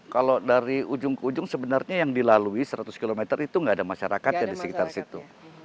kalau dari ujung ke ujung sebenarnya yang dilalui seratus km itu nggak ada masyarakat yang di sekitar situ